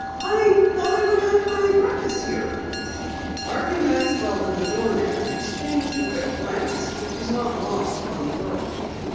"I thought I would have my breakfast here." Harvey Maxwell and the doorman exchanged a quick glance which was not lost upon the girl.